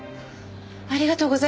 ありがとうございます。